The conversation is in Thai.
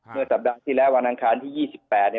เมื่อสัปดาห์ที่แล้ววันอังคารที่๒๘